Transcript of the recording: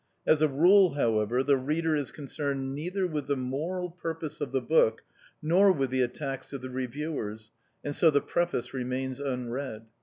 As a rule, however, the reader is concerned neither with the moral purpose of the book nor with the attacks of the Reviewers, and so the preface remains unread.